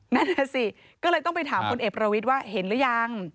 นั่นแหละสิก็เลยต้องไปถามพลเอกประวิทย์ว่าเห็นหรือยัง